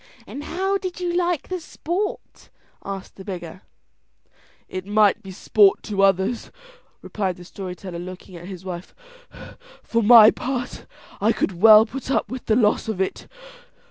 "And how did you like the sport?" said the beggar. "It might be sport to others," replied the story teller looking at his wife, "for my part I could well put up with the loss of it."